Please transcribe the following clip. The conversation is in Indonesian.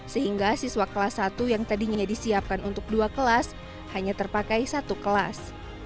sehingga siswa kelas satu yang tadinya disiapkan untuk dua kelas hanya terpakai satu kelas